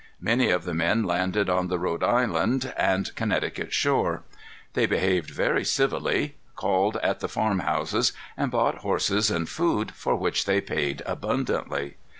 Many of the men landed on the Rhode Island and Connecticut shore. They behaved very civilly; called at the farm houses, and bought horses and food, for which they paid abundantly.